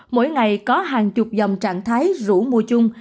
mỗi ngày có hàng chục dòng trạng thái rủ mua chung